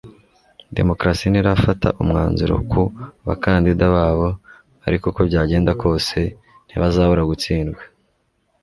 Demokarasi ntirafata umwanzuro ku bakandida babo ariko uko byagenda kose ntibazabura gutsindwa